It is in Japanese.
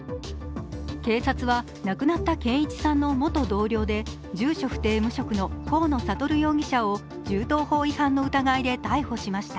警察は亡くなった健一さんの元同僚で住所不定・無職の河野智容疑者を銃刀法違反の疑いで逮捕しました。